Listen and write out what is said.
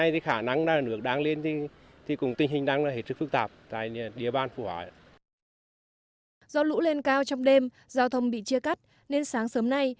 do lũ lên cao trong đêm giao thông bị chia cắt nên sáng sớm nay